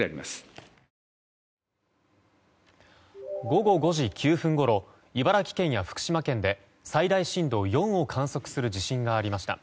午後５時９分ごろ茨城県や福島県で最大震度４を観測する地震がありました。